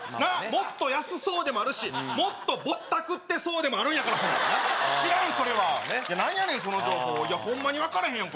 もっと安そうでもあるしもっとぼったくってそうでもあるんやから知らんそれは何やねんその情報いやホンマに分からへんやん